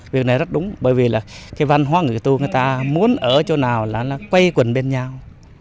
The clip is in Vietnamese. việc này rất đúng bởi vì là cái văn hóa người tu người ta muốn ở chỗ nào là nó quay quần bên nhau